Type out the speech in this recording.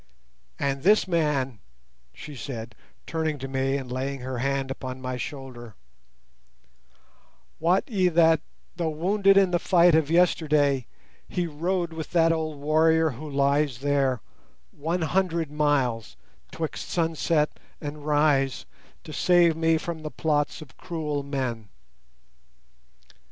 And this man," she said, turning to me and laying her hand upon my shoulder, "wot ye that, though wounded in the fight of yesterday, he rode with that old warrior who lies there, one hundred miles "twixt sun set and rise to save me from the plots of cruel men.